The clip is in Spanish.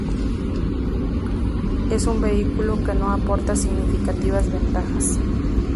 Es un vehículo que no aporta significativas ventajas.